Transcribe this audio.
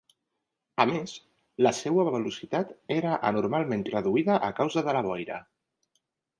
A més, la seua velocitat era anormalment reduïda a causa de la boira.